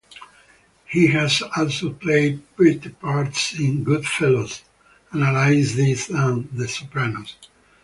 He has also played bit parts in "Goodfellas", "Analyze This", and "The Sopranos".